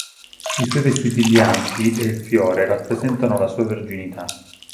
I suoi vestiti bianchi e il fiore rappresentano la sua verginità.